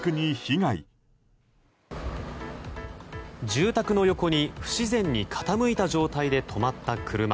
住宅の横に不自然に傾いた状態で止まった車。